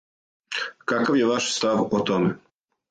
Какав је ваш став о томе?